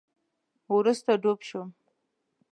وروسته ډوب شوم